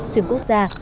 xuyên quốc gia